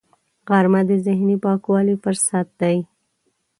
غرمه د ذهني پاکوالي فرصت دی